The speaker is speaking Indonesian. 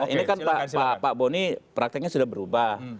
ini kan pak boni prakteknya sudah berubah